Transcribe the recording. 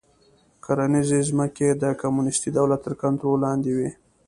کرنیزې ځمکې د کمونېستي دولت تر کنټرول لاندې وې